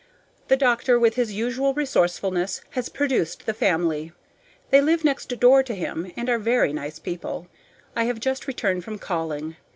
The doctor, with his usual resourcefulness, has produced the family. They live next door to him and are very nice people; I have just returned from calling.